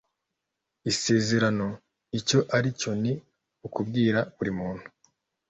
isezerano icyo ari cyo ni ukubwira burimuntu